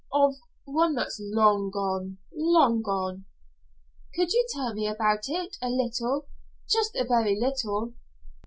"Of one that's long gone long gone." "Could you tell me about it, a little just a very little?"